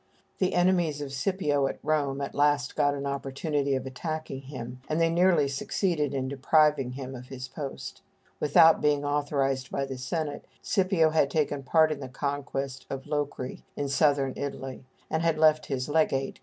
The enemies of Scipio at Rome at last got an opportunity of attacking him, and they nearly succeeded in depriving him of his post. Without being authorized by the Senate, Scipio had taken part in the conquest of Locri, in Southern Italy, and had left his legate, Q.